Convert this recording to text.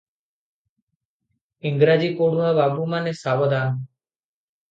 ଇଂରେଜୀ ପଢୁଆ ବାବୁମାନେ ସାବଧାନ!